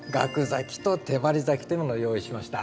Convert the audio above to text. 咲きと手まり咲きというものを用意しました。